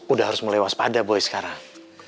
udah harus melewas pada boy sekarang